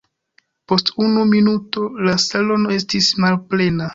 Post unu minuto la salono estis malplena.